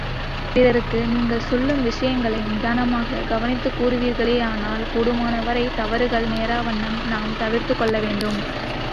பிறருக்கு நீங்கள் சொல்லும் விஷயங்களை, நிதானமாக கவனித்துக் கூறுவீர்களேயானால், கூடுமானவரை தவறுகள் நேராவண்ணம் நாம் தவிர்த்துக் கொள்ள முடியும்.